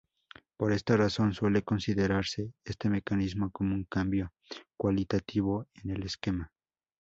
Por esta razón suele considerarse este mecanismo como un cambio cualitativo en el esquema.